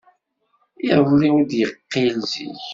Iḍelli ur d-yeqqil zik.